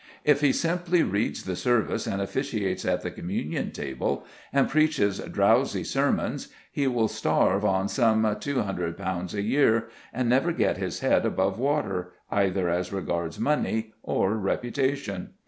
If he simply reads the services and officiates at the communion table, and preaches drowsy sermons, he will starve on some 200_l._ a year, and never get his head above water, either as regards money or reputation.